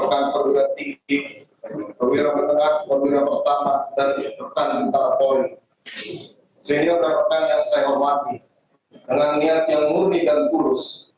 jangan lupa untuk menerima informasi di deskripsi komentar dan atas informasi di deskripsi largest notification for the talk samithx com terima kasih